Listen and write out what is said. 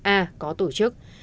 a có tổ chức